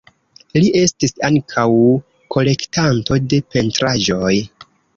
Li estis ankaŭ kolektanto de pentraĵoj.